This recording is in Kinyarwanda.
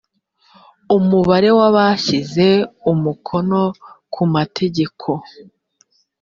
umubare w abashyize umukono ku mategeko